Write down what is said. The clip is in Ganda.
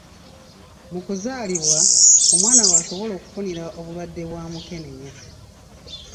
Mu kuzaalibwa, omwana w'asobolera okufunira obulwadde bwa mukenenya.